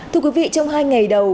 thưa quý vị trong hai ngày đầu